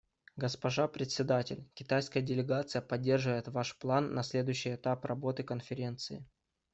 Госпожа Председатель, китайская делегация поддерживает ваш план на следующий этап работы Конференции.